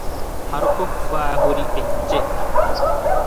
ހަރުކޮށްފައިހުރި އެއްޗެއް